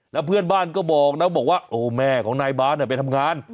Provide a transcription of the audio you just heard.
แล้วเพื่อนบ้านก็บอกนะบอกว่าโอ้แม่ของนายบาสไปทำงาน